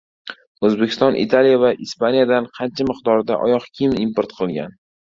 O‘zbekiston Italiya va Ispaniyadan qancha miqdorda oyoq kiyim import qilgan?